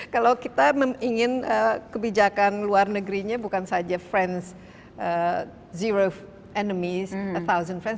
kalau kita ingin kebijakan luar negerinya bukan saja friends zero enemies a thousand friends